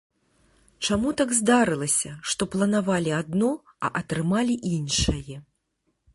Чаму так здарылася, што планавалі адно, а атрымалі іншае?